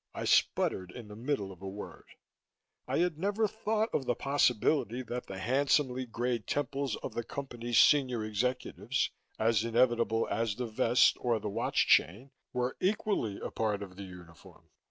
I spluttered in the middle of a word; I had never thought of the possibility that the handsomely grayed temples of the Company's senior executives, as inevitable as the vest or the watch chain, were equally a part of the uniform!